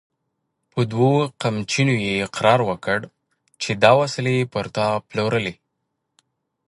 په دوو قمچينو يې اقرار وکړ چې دا وسلې يې پر تا پلورلې!